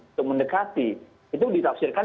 untuk mendekati itu ditafsirkan